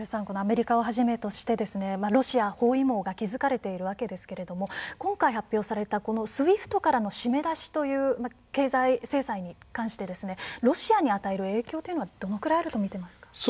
このアメリカをはじめとしてですねロシア包囲網が築かれているわけですけれども今回発表されたこのＳＷＩＦＴからの締め出しという経済制裁に関してですねロシアに与える影響というのはどのくらいあるとみていますか。